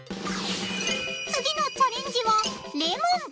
次のチャレンジはレモン。